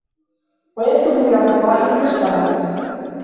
وَيَسْلُبَ مِنْ الْفَضَائِلِ مَا اشْتَهَرَ